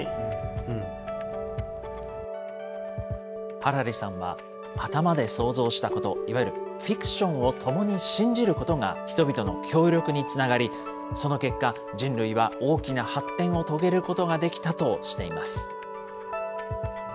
ハラリさんは、頭で想像したこと、いわゆるフィクションを共に信じることが、人々の協力につながり、その結果、人類は大きな発展を遂げることができたとしています。